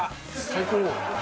最高！